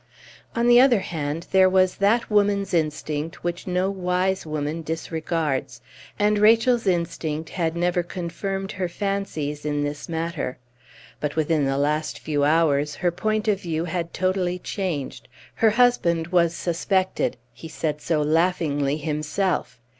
On the other hand, there was that woman's instinct which no wise woman disregards; and Rachel's instinct had never confirmed her fancies in this matter. But within the last few hours her point of view had totally changed. Her husband was suspected. He said so laughingly himself.